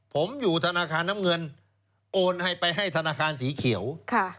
ผมอยู่ธนาคารน้ำเงินโอนให้ไปให้ธนาคารสีเขียวค่ะ